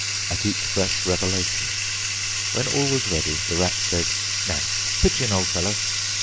at each fresh revelation. When all was ready, the Rat said, "Now, pitch in, old fellow!"